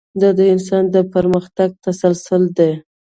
دا د انسان د پرمختګ تسلسل دی.